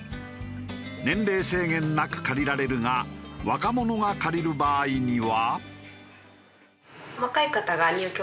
年齢制限なく借りられるが若者が借りる場合には。